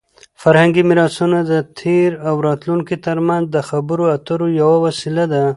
فرهنګي میراثونه د تېر او راتلونکي ترمنځ د خبرو اترو یوه وسیله ده.